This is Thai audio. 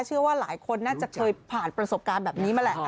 เชื่อว่าหลายคนน่าจะเคยผ่านประสบการณ์แบบนี้มาแหละ